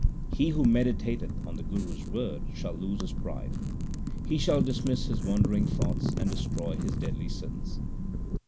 He who meditateth on the Guru s word shall lose his pride ; He shall dismiss his wandering thoughts, and destroy his deadly sins.